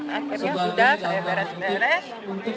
akhirnya sudah saya beres beres